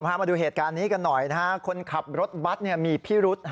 มาดูเหตุการณ์นี้กันหน่อยนะฮะคนขับรถบัตรมีพิรุษ